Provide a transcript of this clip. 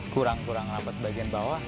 kurang kurang rapat bagian bawah